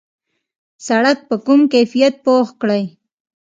سړک په کم کیفیت پخ کړي.